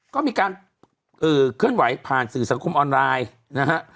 ก็มีการเคลื่อนไหวผ่านสื่อสังคมออนไลน์นะฮะ